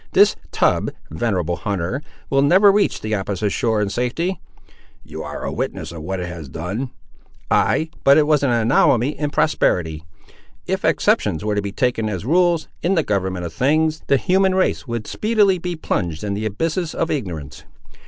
This tub, venerable hunter, will never reach the opposite shore in safety." "You are a witness of what it has done." "Ay; but it was an anomaly in prosperity. If exceptions were to be taken as rules, in the government of things, the human race would speedily be plunged in the abysses of ignorance.